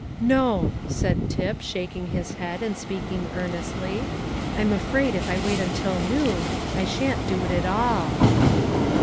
"No," said Tip, shaking his head, and speaking earnestly; "I'm afraid, if I wait till noon, I shan't do it at all."